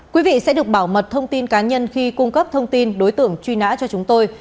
quý vị sẽ được bảo mật thông tin cá nhân khi cung cấp thông tin đối tượng truy nã cho chúng tôi